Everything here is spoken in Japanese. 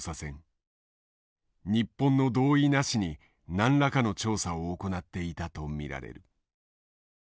日本の同意なしに何らかの調査を行っていたと見られる。